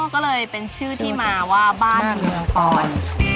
ก็เลยเป็นชื่อที่มาว่าบ้านเมืองปอน